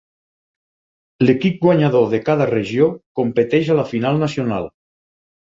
L'equip guanyador de cada regió competeix a la final nacional.